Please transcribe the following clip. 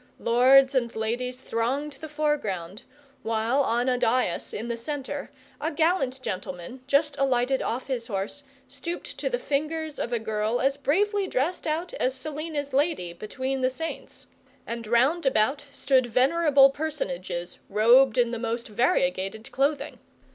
Lords and ladies thronged the foreground, while on a dais in the centre a gallant gentleman, just alighted off his horse, stooped to the fingers of a girl as bravely dressed out as Selina's lady between the saints; and round about stood venerable personages, robed in the most variegated clothing.